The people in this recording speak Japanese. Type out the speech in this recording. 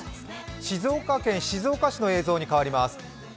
静岡県静岡市の映像に変わります。